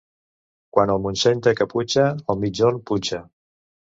Quan el Montseny té caputxa, el migjorn punxa.